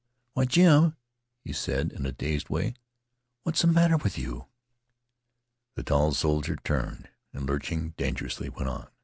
"Why, Jim," he said, in a dazed way, "what's the matter with you?" The tall soldier turned and, lurching dangerously, went on.